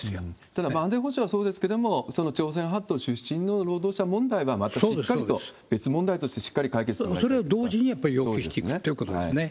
ただ、安全保障はそうですけれども、その朝鮮半島出身の労働者問題は、またしっかりと別問題として、しっかり解決してほしいということですね。